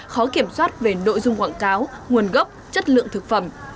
khó kiểm soát về nội dung quảng cáo nguồn gốc chất lượng thực phẩm